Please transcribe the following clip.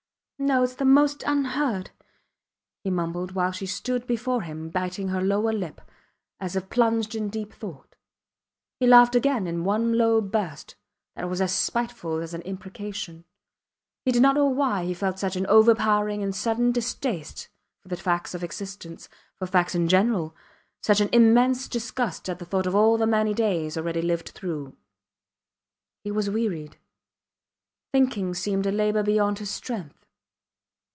No! Its the most unheard! ... he mumbled while she stood before him biting her lower lip, as if plunged in deep thought. He laughed again in one low burst that was as spiteful as an imprecation. He did not know why he felt such an overpowering and sudden distaste for the facts of existence for facts in general such an immense disgust at the thought of all the many days already lived through. He was wearied. Thinking seemed a labour beyond his strength.